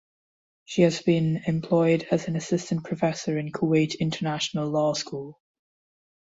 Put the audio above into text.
She has been employed as an assistant professor in Kuwait international law school.